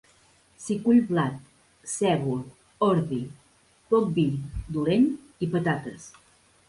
S'hi cull blat, sègol, ordi, poc vi, dolent, i patates.